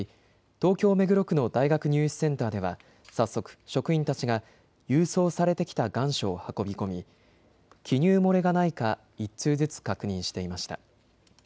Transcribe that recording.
東京目黒区の大学入試センターでは早速、職員たちが郵送されてきた願書を運び込み記入漏れがないか１通ずつ確認していました。